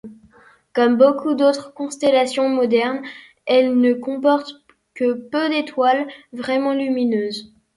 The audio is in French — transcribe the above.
Comme beaucoup d’autres constellations modernes, elle ne comporte que peu d’étoiles vraiment lumineuses.